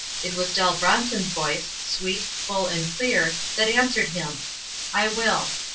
It was Dell Bronson's voice, sweet, full and clear, that an swered him, — r I will."